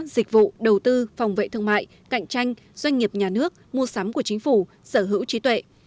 dịch vụ đầu tư phòng vệ thương mại cạnh tranh doanh nghiệp nhà nước mua sắm của chính phủ sở hữu trí tuệ